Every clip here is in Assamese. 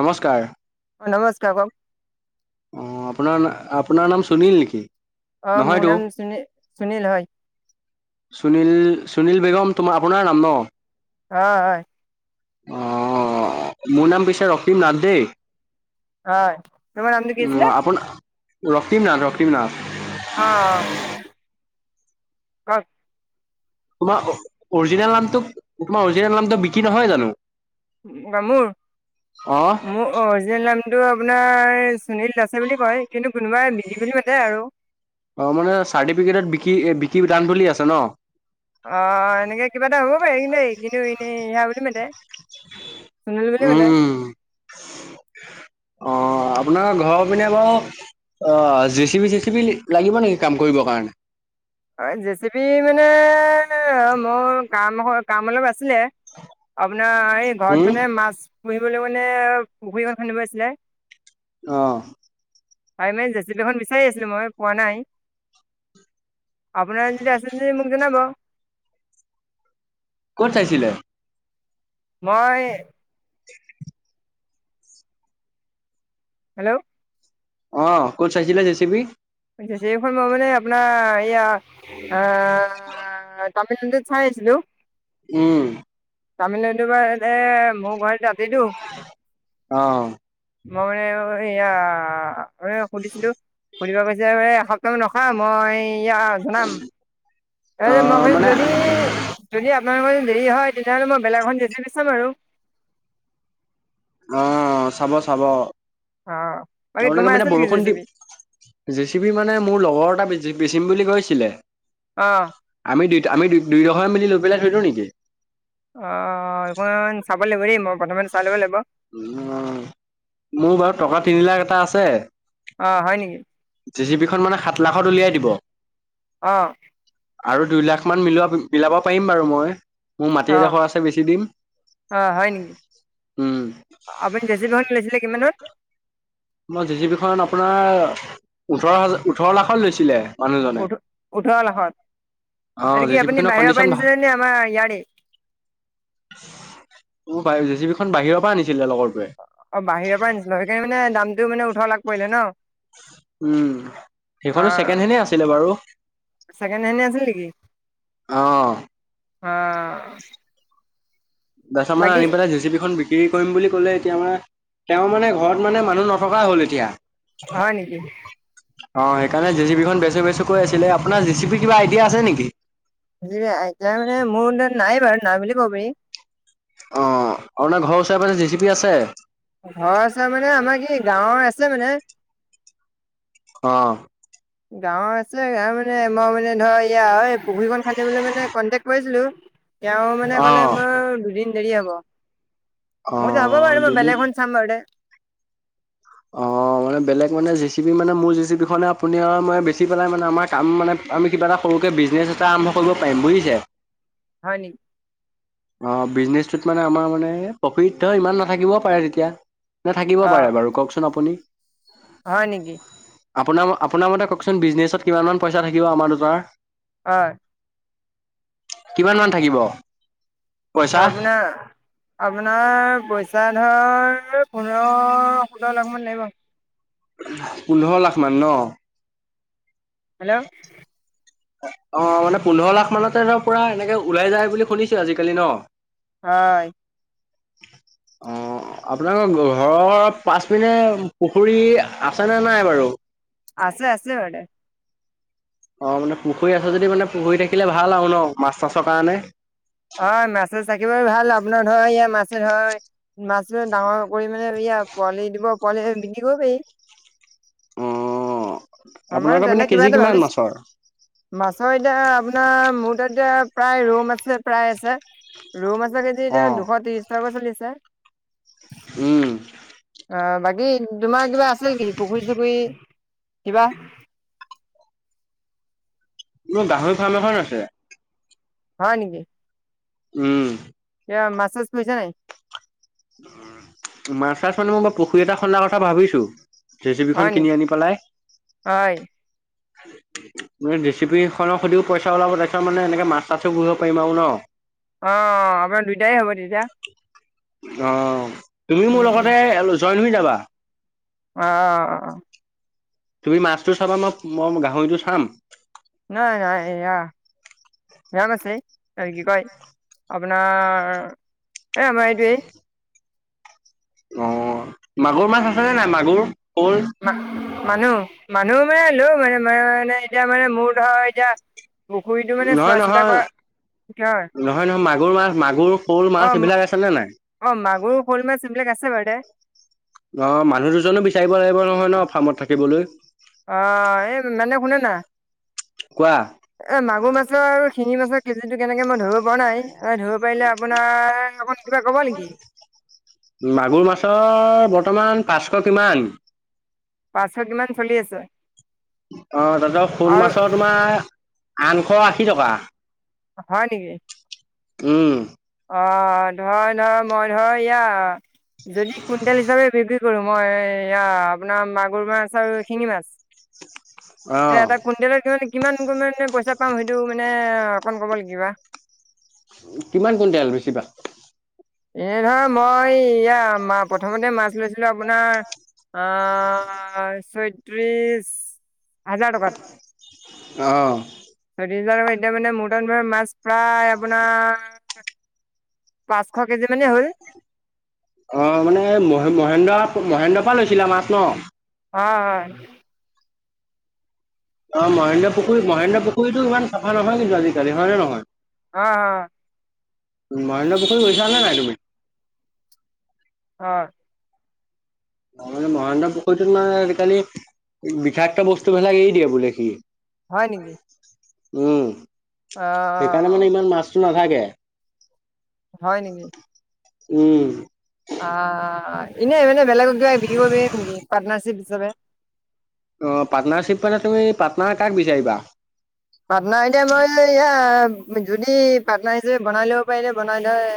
নমস্কাৰ। অ'! নমস্কাৰ কওঁক? অ'! আপোনাৰ, আপোনাৰ নাম সুনীল নেকি? অ'! মোৰ নহয়তো নাম, সুনি সুনিল হয়। সুনীল, সুনীল বেগম, তোমাৰ আপোনাৰ নাম ন'? অ'! হয়। অ'! মোৰ নাম পিছে ৰক্তিম নাথ দেই। অ'! তোমাৰ নামটো কি আছিলে? আপোনাৰ ৰক্তিম নাথ, ৰক্তিম নাথ। অ অ [unintelligible] তোমাৰ, অৰিজিনেল নামটো, তোমাৰ অৰিজিনেল নামটো বিকি নহয় জানোঁ? মোৰ, অ মোৰ, অৰিজিনেল নামটো আপোনাৰ সুনীল দাছে বুলি কয় কিন্তু কোনোবাই মিলি বুলি মাতে আৰু কি দান বুলি আছে ন অ এনেকে কিবা এটা হব পাৰে এনেই কিন্তু এই কিনু এনেই ইহা বুলি মাতে সুনিল বুলি মাতে উম অ আপোনাৰ ঘৰৰ পিনে বাৰু অ জে চি বি চে চি বি লাগিব নেকি কাম কৰিবৰ কাৰণে অ জেচিপি মানে মোৰ কাম হয় কাম অলপ আ ছিলে আপোনাৰ এই ঘৰত উম মানে মাছ পুহিবলৈ মানে পুখুৰী খান্দিব আছিলে অহ তাই মানে জেচিবি এখন বিচাৰি আছিলো মই পোৱা নাই আপোনাৰ যদি আছে যদি মোক জনাব কত চাইছিলে? মই, হেল্ল', অ ক'ত চাইছিলে জেচি বি? জেচিবি খন মই মানে আপোনাৰ এইয়া আহ আহ তামিলনাডুত চাই আছিলো। উম। তামিলনাডুৰ পৰা এ মোৰ ঘৰত মাতি দিও, অ', মই মানে এয়া ম সুধিছিলো সুধিব গৈছিল। যে সকাম নখা, মই ইয়া জনাম। এ মই অ', কৈ মানে যদি যদি, আপোনালোকৰ দেৰি হয়, তেতিয়াহ'লে মই বেলেগখন জে চি বি চাম আৰু। অ চাব চাব। অঁ বাকী আপোনোকে তোমাৰ মানে আছিল নেকি জে বৰষুণ চি দি বি জে চি পি মানে মোৰ লগৰ এটা জ- বেছিম বুলি কৈছিলে। অহ। আমি দুই আমি দুইঘৰে মিলি লৈ পেলাই থৈদিও নেকি? অ অ চাব লাগিব দেই মই বৰ্তমান চাই ল'ব লাগিব। উ মোৰ বাৰু টকা তিনি লাখ এটা আছে। অ হয় নেকি? জি চি বিখন মানে সাত লাখত উলিয়াই দিব। অ। আৰু দুই লাখ মান মিলোৱা মিলাব পাৰিম বাৰু মই। মোৰ মাটি অঁ এডোখৰ আছে বেছি দিম। অ' হয় নেকি? উম, আপুনি জে চি পি খন লৈছিলে কিমানত? মই জি জি বি খনত আপোনাৰ ওঠৰ হাজাৰ ওঠৰ লাখত লৈছিলে। মানুহজনে ওঠ ওঠৰ লাখত। অ', আৰু জে কি চি বি আপুনি খনৰ বাহিৰৰ কণ্ডিচন পৰাই নিছিলে, নে আমাৰ ইয়াৰে? অ বাহিৰৰ জে চি বিখন বাহিৰৰ পৰা আনিছিল। অ বাহিৰৰ পৰা আনিছিলো। সেইকাৰণে মানে দামটো মানে ওঠৰ লাখ পৰিলে ন? উম সেইখনো অ' ছেকেণ্ড হেনে আছিলে বাৰু। উ অ। অ। কেচামাল বাকী আনি পেলাই জেচি পি খন বিক্ৰী কৰিম বুলি ক'লে। এতিয়া মানে, তেওঁ মানে ঘৰত মানে মানুহ নথকাই হ'ল এতিয়া। হয় নেকি? অ সেইকাৰণে জে চি পিখন বেছো বেছো কৈ আছিলে। আপোনাৰ জে চি পিৰ কিবা আইডিয়া আছে নেকি? এতিয়া মানে মোৰ নাই বাৰু নাই বুলি কব পাৰি। অ, আপোনাৰ ঘৰৰ ওচৰ পাজৰে জি চি পি আছে? ঘৰ ওছৰ মানে আমাৰ কি গাঁৱৰ আছে মানে। অ। গাঁৱৰ আছে, মানে মই মানে ধৰ এয়া এই পুখুৰীকখন খান্দিবলৈ মানে কণ্টেক্ট কৰিছিলোঁ। তেওঁ মানে কলে, অ', মোৰ দুদিন দেৰি হব। মইতো হ'ব অ', বাৰু মই দুদিন বেলেগখন চাম বাৰু। অ। অ মানে বেলেগ মানে যে চি পি মানে মোৰ যেচিপিনে আপুনি আৰু মই বেছি পেলাই মানে আমাৰ কাম মানে আমি কিবা এটা কৰো। ৰুকে [unintelligible] বিজনেছ এটা আৰম্ভ কৰিব পাৰিম বুজিছে। হয়নি? অঁ বিজনেচটোত মানে আমাৰ মানে প্ৰফিট হ ইমান নাথাকিবও পাৰে তেতিয়া। ন থাকিব অ'। পাৰে বাৰু কওকচোন আপুনি। হয় নেকি। আপোনাৰ আপোনাৰ মতে কওকচোন বিজনেছত কিমান মান পইচা থাকিব আমাৰ দুটাৰ। হয়। কিমান মান থাকিব। পইচা? আপোনাৰ। আপোনাৰ পইচা ধৰ পোন্ধৰ সোতৰ লাখমান লাগিব। পোন্ধৰ লাখ মান ন। হেল্ল'। অ মানে পোন্ধৰ লাখ মানতে ধৰ পুৰা এনেকে ওলাই যায় বুলি শুনিছো আজিকালি ন। হয় হুম আপোনালোকৰ ঘৰৰ পাচ পিনে পুখুৰী আছেনে নাই বাৰু। আছে আছে। অ মানে পুখুৰী আছেো যদি মানে পুখুৰী থাকিলে ভাল আৰু ন মাছ চাছৰ কাৰণে। অ মাছ ছাছ থাকিব ভাল আপোনাৰ ধৰ। মাছ ধৰ মাছ ধ ডাঙৰ কৰি মানে এয়া পোৱালি দিব পোৱালি বিক্ৰী কৰিব পাৰি। উম। অ মানে তেনে কিবা এটা ভাবিচো। মাছৰ এতিয়া আপোনাৰ মোৰ তাত এতিয়া। প্ৰায় ৰৌ মাছে প্ৰায় আছে, ৰৌ মাছৰ কেজি অ এতিয়া দুশ ত্ৰিশ টকাাকৈ চলিছে। ছে। উম। অ বাকী তোমাৰ কিবা আছিল নেকি পুখুৰী চুখুৰী। কিবা। মোৰ গাহৰি ফাৰ্ম এখন আছে। হয় নেকি। উম। এয়া মাছ চাজ পূহিছা নে নাই। মাছা ছাছ মানে মইই পুখুৰী এটা খন্দাৰ কথা ভাবিছো। জেচিপিখন হয় কিনি নেকি? আনি পেলাই। হয় যেচিপি খনৰ সুতিও পইচা ওলাব তাৰপিছত মানে এনেকে মাছ তাছো পুহিব পাৰিম আৰু ন। অ আপোনাৰ দুইটাই হ'ব তেতিয়া। অ তুমি উম মোৰ উম লগতে জইন হৈ যাবা। অ। তুমি মাছটো চাবা মই মই গাহৰিটো চাম। নহয় নহয় এয়া আৰু কি কয় আপোনাৰ এ আমাৰ এইটোৱেই। অ মাগুৰ মাছ আছে নে নাই মাগুৰ। শ'ল না। মানুহ মানুহ মানে লৈ মানে ম মানে এতিয়া মানে মোৰ ধৰ এতিয়া। পুখুৰীটো মানে নহয় চোৱা- চিতা নহয় কৰা কি হয়। নহয় নহয় মাগুৰ মাছ মাগুৰ শ'ল অ, মাছ ম এইবিলাক আছে নে নাই? অ মাগুৰ, শ'ল মাছ এইবিলাক আছে বাৰু দে। অ মানুহ দুজনো বিচাৰিব লাগিব নহয় ন ফাৰ্মত থাকিবলৈ। অ এই মেনে শুনে না। কোৱা এ মাগুৰ মাছৰ আৰু শিঙি মাছৰ কেজিটো কেনেকে মই ধৰিব পৰা নাই। অ ধৰিব পাৰিলে আপোনাৰ অকন কিবা কব নেকি? মাগুৰ মাছৰ বৰ্তমান পাঁচশ কিমান? পাঁচশ কিমান চলি আছে? অ দাদক শ'ল আৰু মাছৰ তোমাৰ আঠশ আশী টকা। হয় নেকি? উম। অ ধৰ ধৰ মই ধৰ ইয়া যদি কুইণ্টেল হিচাপে বিক্ৰী কি কৰো মই এয়া আপোনাৰ মাগুৰ মাছ আৰু শিঙি মাছ। অ এ এটা কুইণ্টেলৰ কিমান নে কিমান কিমান পইচা পাম সেইটো মানে অকণ ক'ব নি কিবা? কিমান কুইণ্টেল বেছিবা? এনে ধৰ মই ইয়া প্ৰথমতে মাছ লৈছিলোঁ আপোনাৰ আ ছয়ত্ৰিশ হাজাৰ টকাত। অ ছয়ত্ৰিশ হা এতিয়া মানে মোৰটাত মাছ প্ৰায় আপোনাৰ পাচ অ মানে মহ মহেন্দ্ৰ মহেন্দ্ৰৰ পৰা লৈছিলে মাছ ন। অ হয়। অ মহেন্দ্ৰ পুখুৰী, মহেন্দ্ৰ পুখুৰীতো ইমান চাফা নহয় কিন্তু আজিকালি হয় নে নহয়? হ হা। মহেন্দ্ৰ পুখুৰী গৈছা নাই তুমি? অ। মহেন্দ্ৰ পুখুৰীটোত মানে আজিকালি বিষাক্ত বস্তুবিলাক এৰি দিয়ে বোলে সি। হয় নেকি উম সেইকাৰণে মানে অ', ইমান মাছটো থাকে। হয় নেকি? উম। অ এনেই মানে বেলেগক কিবা বিকিব পাৰিবি পাৰ্টনাৰশ্বিপ হিচাপে। অ পাৰ্টনাৰশ্বিপ মানে তুমি পাৰ্টনাৰ কাক বিচাৰিবা? পাৰ্টনাৰ এটা লই এয়া যদি পাৰ্টনাৰ হিচাপে বনাই ল'ব পাৰিলে বনাই লই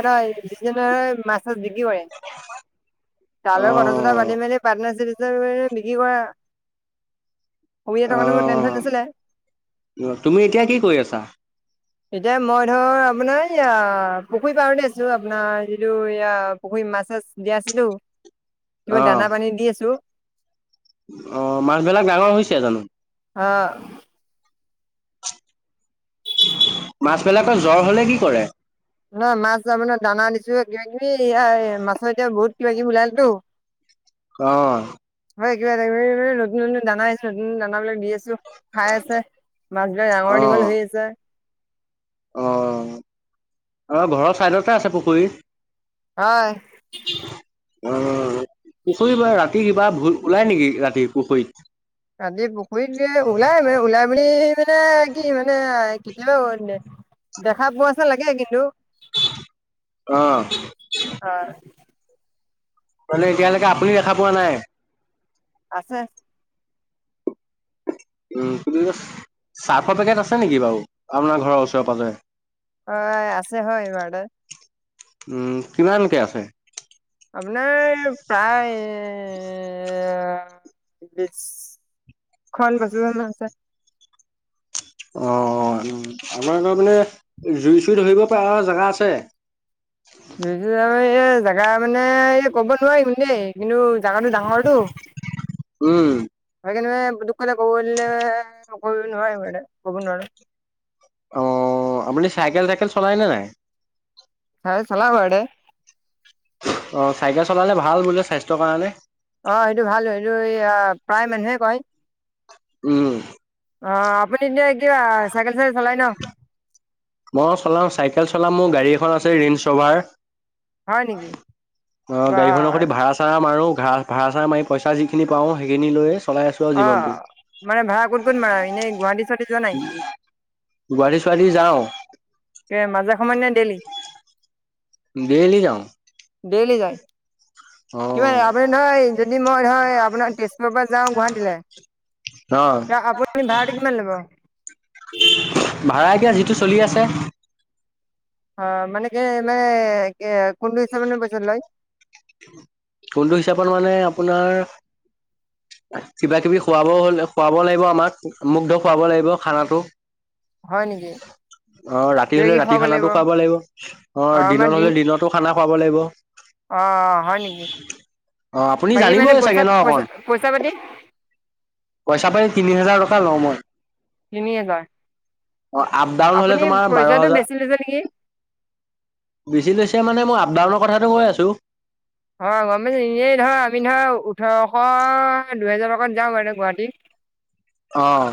আদায় অ যি মাছ পিছত বিক্ৰী কৰে, তাৰ অ লগত কথা চথা পাতি মেলি পাৰ্টনাৰশ্বিপ বিক্ৰী কৰা, কৰিব কাৰণে লোনচোন অ দিছিলে। তুমি এতিয়া কি কৰি আছা? এতিয়া মই ধৰ আপোনাৰ ইয়া পুখুৰী পাৰতে আছো আপোনাৰ যিটো এয়া পুখুৰী মাছ চাছ দিয়া আছেতো, কিবা অ', দানা পানী দি আছো। অ মাছ বিলাক ডাঙৰ হৈছে জানো? আহ। মাছবিলাকৰ জ্বৰ হলে কি কৰে? নহয় মাছ যাবে দানা আনিছো কিবা -কিবি এয়া মাছৰ এতিয়া বহুত কিবা কিবি ওলালতো অ। হয় কিবা- কিবি নতুন নতুন দানা আহিছে নতুন দানাবিলাক দি আছো। খাই আছে, মাছ বিলাক ডাঙৰ- দীঘল অ', হৈ আছে। অ, আমাৰ ঘৰৰ ছাইডতে আছে পুখুৰী। হয়। অ। [unintelligible] অ পুখুৰী বা ৰাতি কিবা ভুত ওলাই নেকি ৰাতি পুখুৰীত? ৰাতি পুখুৰীত ওলাই মানে ওলাই মেলি মানে কি মানে কেতিয়াও দেখা পোৱা নিচিনা লাগে কিন্তু। আহ। হয় মানে এতিয়ালৈকে আপুনি দেখা পোৱা নাই? আছে। উ চাৰ্ফৰ পেকেট আছে নেকি বাৰু? আপোনাৰ ঘৰৰ ওচৰেৰে পাজৰে। অ আছে হয় ইয়াতে উম কিমানকে আছে? আপোনাৰ প্ৰায় বিশ খন বেছি আছে। অ-অ [inaudible] আমাৰ গাঁৱত মানে জুই-চুই ধৰিব পৰা আও জেগা আছে [unintelligible] [unintelligible] এই জেগা মানে এই ক'ব নোৱাৰিম দেই কিন্তু জেগাটো ডাঙৰটো [unintelligible] উম, সেইকাৰণে মানে দুখ কথা ক'ব গলে কব নোৱাৰি মানে ক'ব নোৱাৰো [unintelligible] অ আপুনি চাইকেল-টাইকেল চলাইনে নাই? [unintelligible] চাই চলাও [unintelligible] অ চাইকেল চলালে ভাল বোলে স্বাস্থ্যৰ কাৰণে। [unintelligible] অ সেইটো ভাল এইটো এই [unintelligible] প্ৰায় মানুহে কয়। উম! অ আপুনি এতিয়া কিবা চাইকেল-চাইকেল চলাই ন? [unintelligible] মই চলাও চাইকেল চলাম মোৰ গাড়ী এখন আছে ৰেইঞ্জ ৰভাৰ হয় নেকি [unintelligible] অ বা গাড়ীখনৰ সৈতে ভাড়া-চাড়া মাৰো। ভৰা চাৰা মাৰি পইচা যিখিনি পাওঁ সেইখিনি লৈ অ মানে ভাড়া ক'ত-ক'ত মাৰা এনেই গুৱাহাটী? চুৱাহাটী যোৱা নাই উম গুৱাহাটী-চোৱাহাটী যাওঁ মাজে সময় নে দেলি? ডেইলি যাওঁ। ডেইলি যায়। অ। কিবা আপুনি নহয় যদি মই নহয় আপোনাৰ তেজপুৰৰ পৰা যাওঁ গুৱাহাটীলে অ এ আপুনি ভাৰ়াটো কিমান লব? ভাড়া এতিয়া যিটো চলি আছে। অ মানে কি মানে এ কোনটো হিচাপত মানে প‌ইচাটো লয় [unintelligible] কোনটো হিচাপত মানে আপোনাৰ কিবাকিবি খুৱাব হ [unintelligible] খুৱাব লাগিব আমাক মোকটো খুৱাব লাগিব খানাটো। হয় নেকি অ ৰাতি হলে ৰাতি খানাটো খুৱাব লাগিব, অ আমাৰ দিনত দিন হলে দিনতো খা খানা খোৱাব লাগিব। অ হয় নেকি? অ আপুনি বাকী মানে জানিবই চাগে ন পইচা-পইচা-পইচা পাতি? পইচা-পাতি তিনি হাজাৰ টকা লওঁ মই। [inaudible] তিনিহাজাৰ? অ আপ-ডাউন হলে তোমাৰ বাৰ বেছি লৈছে নেকি হাজাৰ। বেছিলৈছে মানে মই আপ-ডাউনৰ কথাটো কৈ আছোঁ। হয় গম এনেই ধৰা আমি ধৰা ওঠৰশ দুহেজাৰ টকাত যাওঁ আৰু গুৱাহাটী। অঁ।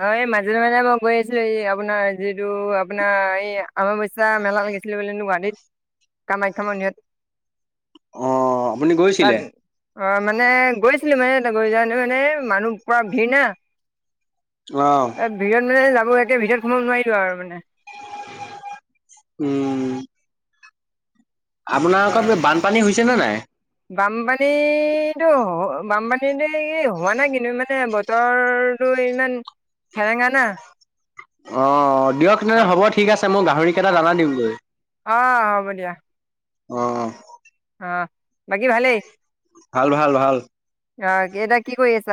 অ এই মাজে-মাজে মই গৈ আছিলো এই আপোনাৰ যিটো আপোনাৰ এই আমাৱস্যা মেলা লাগিছিল [unintelligible] গুৱাহাটীত কামাখ্যা মন্দিৰত। অ'! আপুনি গৈছিলে? অ'! মানে, গৈছিলোঁ। মানে, গৈ যাওঁতে মানে, মানুহ পুৰা ভিৰ না। অ ভিৰত মানে, যাব একে ভিতৰত সোমাব নোৱাৰিলোঁ আৰু মানে। [inaudible] উম! অঁ আপোনালোকৰ বানপানী হৈছে নে নাই? বানপানীটো, বানপানীটো হোৱা নাই কিন্তু। মানে, বতৰটো ইমান হেৰেঙা না। অ'! দিয়ক অ তেনেহ'লে হ'ব ঠিক আছে। মই গাহৰিকেইটা দানা দিওঁ গৈ। অ হ'ব দিয়া অ'! অ'! বাকী ভালেই? ভাল, ভাল, ভাল। অ'! এতিয়া কি কৰি আছা?